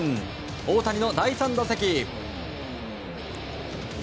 大谷の第３打席。